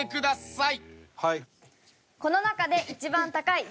この中で一番高い１１万